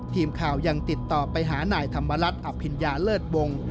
ทีมข่าวยังติดต่อไปหานายธรรมรัฐอภิญญาเลิศวงศ์